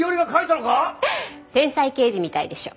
天才刑事みたいでしょ。